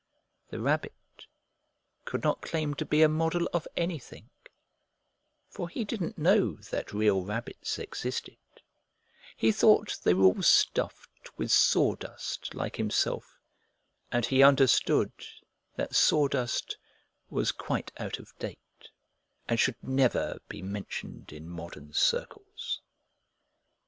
The Rabbit could not claim to be a model of anything, for he didn't know that real rabbits existed; he thought they were all stuffed with sawdust like himself, and he understood that sawdust was quite out of date and should never be mentioned in modern circles.